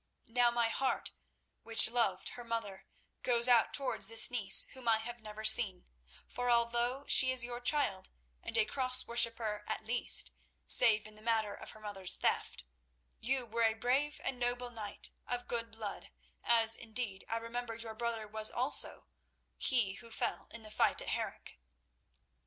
Now my heart, which loved her mother, goes out towards this niece whom I have never seen, for although she is your child and a Cross worshipper at least—save in the matter of her mother's theft—you were a brave and noble knight, of good blood, as, indeed, I remember your brother was also, he who fell in the fight at Harenc.